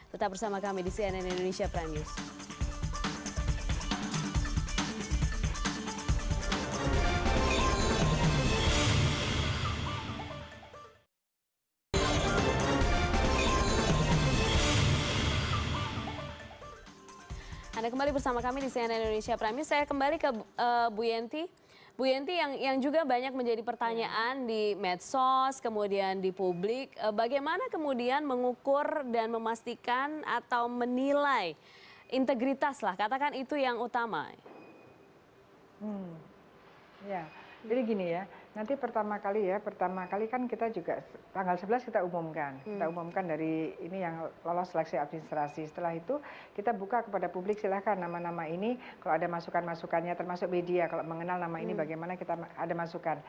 tetap bersama kami di cnn indonesia prime news